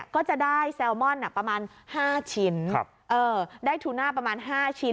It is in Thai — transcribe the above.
ก็จะได้แซลมอนประมาณ๕ชิ้นได้ทูน่าประมาณ๕ชิ้น